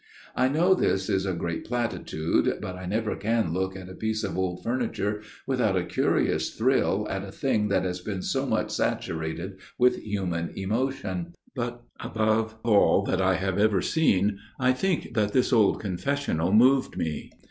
"I know this is a great platitude, but I never can look at a piece of old furniture without a curious thrill at a thing that has been so much saturated with human emotion; but, above all that I have ever seen, I think that this old confessional moved me.